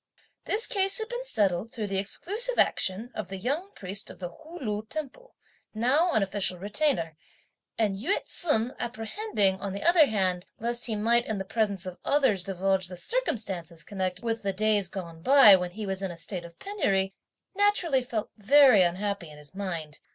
This case had been settled through the exclusive action of the young priest of the Hu Lu temple, now an official Retainer; and Yü ts'un, apprehending, on the other hand, lest he might in the presence of others, divulge the circumstances connected with the days gone by, when he was in a state of penury, naturally felt very unhappy in his mind.